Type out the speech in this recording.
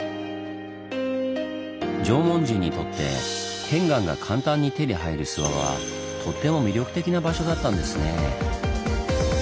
縄文人にとって片岩が簡単に手に入る諏訪はとっても魅力的な場所だったんですねぇ。